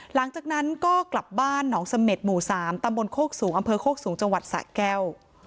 หลังจากนั้นก็กลับบ้านหนองเสม็ดหมู่๓ตำบลโคกสูงอำเภอโคกสูงจังหวัดสะแก้ว